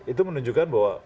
itu menunjukkan bahwa